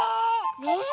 ねえ！